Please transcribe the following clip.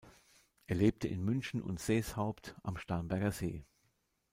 Er lebte in München und Seeshaupt am Starnberger See.